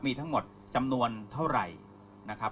มีทั้งหมดจำนวนเท่าไหร่นะครับ